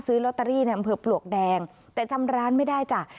ซื้อลอตเตอรี่ในอำเภอปลวกแดงแต่จำร้านไม่ได้จ้ะ